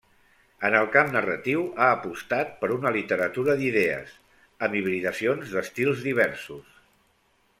En el camp narratiu ha apostat per una literatura d'idees, amb hibridacions d'estils diversos.